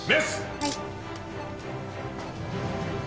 はい。